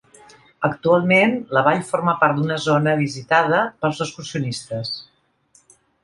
Actualment, la vall forma part d'una zona visitada pels excursionistes.